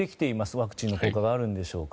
ワクチンの効果があるのでしょうか。